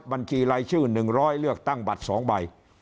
บัญชีลายชื่อหนึ่งร้อยเลือกตั้งบัตรสองใบ